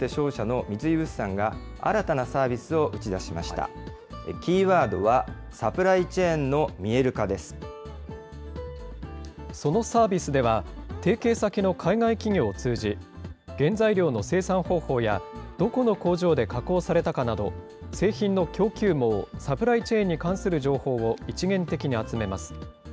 キーワードはサプライチェーンのそのサービスでは、提携先の海外企業を通じ、原材料の生産方法や、どこの工場で加工されたかなど、製品の供給網・サプライチェーンに関する情報を一元的に集めます。